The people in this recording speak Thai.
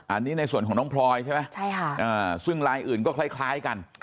อันนี้ในส่วนของน้องพลอยใช่ไหมซึ่งลายอื่นก็คล้ายกัน